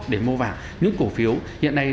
để mua vào những cổ phiếu hiện nay